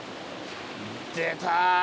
出た。